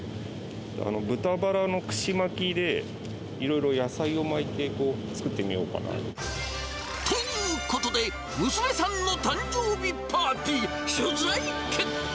豚バラの串巻きで、いろいろ野菜を巻いて作ってみようかなと。ということで、娘さんの誕生日パーティー、取材決定。